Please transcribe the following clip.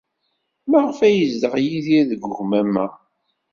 Maɣef ay yezdeɣ Yidir deg ugmam-a?